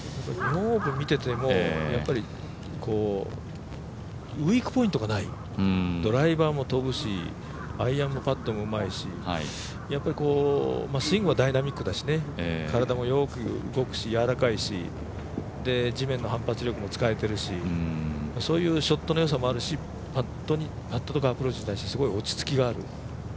見ていても、ウィークポイントがない、ドライバーも飛ぶしアイアンもパットもうまいしスイングはダイナミックだし、体もよく動くし、やわらかいし、地面の反発力も使えてるしそういうショットのよさもあるし、パットとかアプローチに対してすごい落ち着きがある。